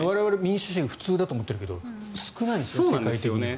我々、民主主義は普通だと思っているけど少ないんですね。